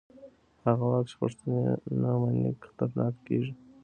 هغه واک چې پوښتنې نه مني خطرناک کېږي